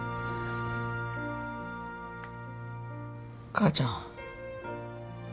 母ちゃん。